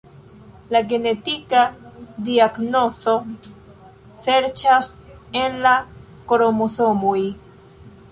La genetika diagnozo serĉas en la kromosomoj.